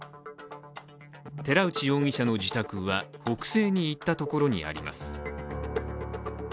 寺内容疑者の自宅は、北西に行ったところにあります。